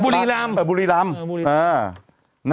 บุรีรำอ่ะบุรีรำอ่า